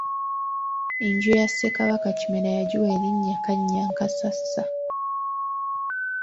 Enju ya Ssekabaka Kimera yagiwa elinnya Kannyakassasa.